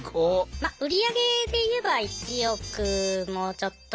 ま売り上げでいえば１億もうちょっと。